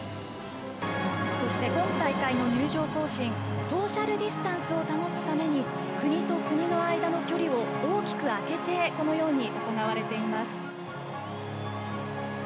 そして今大会の入場行進ソーシャルディスタンスを保つために国と国の間の距離を大きく空けてこのように行われています。